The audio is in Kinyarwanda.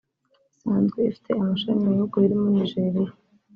isanzwe ifite amashami mu bihugu birimo Nigeria